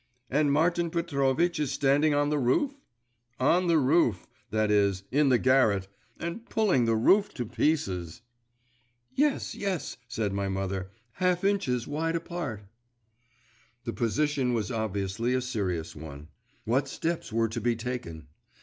'And Martin Petrovitch is standing on the roof?' 'On the roof … that is, in the garret and pulling the roof to pieces.' 'Yes, yes,' said my mother, 'half inches wide apart.' The position was obviously a serious one. What steps were to be taken?